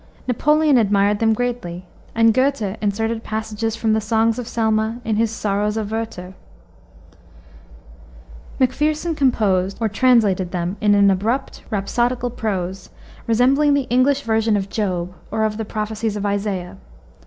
Napoleon admired them greatly, and Goethe inserted passages from the "Songs of Selma" in his Sorrows of Werther. Macpherson composed or translated them in an abrupt, rhapsodical prose, resembling the English version of Job or of the prophecies of Isaiah.